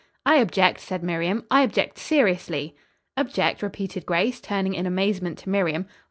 "I object," said Miriam. "I object seriously." "Object?" repeated Grace, turning in amazement to Miriam.